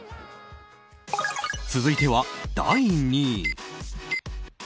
続いては、第２位。